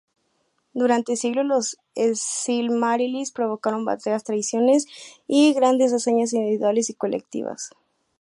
Durante siglos los Silmarils provocaron batallas, traiciones y grandes hazañas individuales y colectivas.